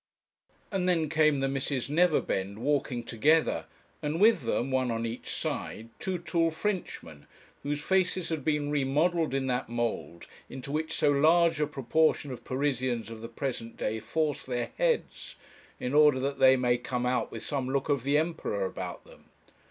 And then came the Misses Neverbend walking together, and with them, one on each side, two tall Frenchmen, whose faces had been remodelled in that mould into which so large a proportion of Parisians of the present day force their heads, in order that they may come out with some look of the Emperor about them.